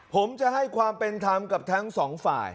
ผมจะให้ความเป็นธรรมกับทั้งสองฝ่าย